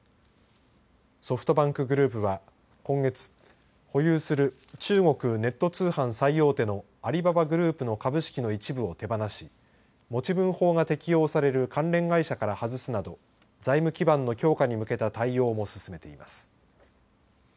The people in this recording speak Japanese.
ソフトバンクグループは今月保有する中国ネット通販最大手のアリババグループの株式の一部を手放し持ち分法が適用される関連会社から外すなど財務基盤の強化に向けた対応も進めています。